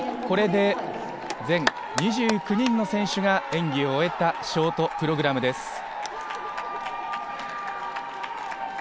これで全２９人の選手が演技を終えたショートプログラムです。